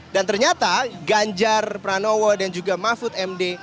dan ternyata jajar pranowo dan juga mahfud md